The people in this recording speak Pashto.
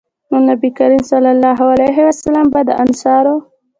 نو نبي کريم صلی الله علیه وسلّم به د انصارو